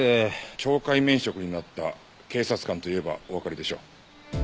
懲戒免職になった警察官と言えばおわかりでしょう。